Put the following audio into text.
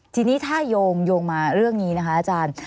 ทีนี้ถ้าโยงมาเรื่องนี้นะคะอาจารย์